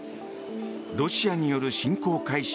ロシアによる侵攻開始